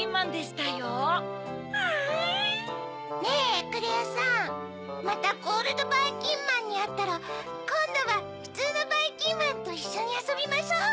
エクレアさんまたゴールドばいきんまんにあったらこんどはふつうのばいきんまんといっしょにあそびましょう。